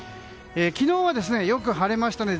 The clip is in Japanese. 昨日はよく晴れましたね